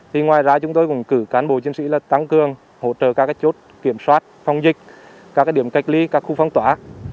thì ngoài ra chúng tôi cũng cử cán bộ chiến sĩ là tăng cường hỗ trợ các chốt kiểm soát phong dịch các điểm cách ly các khu phong tỏa